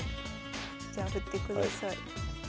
じゃあ振ってください。